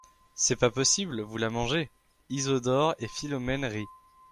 C’est pas possible, vous la mangez." Isidore et Philomèle rient.